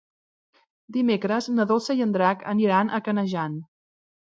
Dimecres na Dolça i en Drac aniran a Canejan.